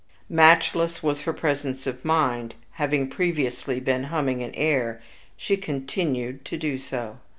Matchless was her presence of mind; having previously been humming an air, she continued to do so.